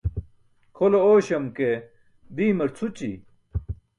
khole oośam ke diimar cʰući.